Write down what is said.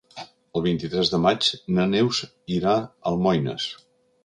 El vint-i-tres de maig na Neus irà a Almoines.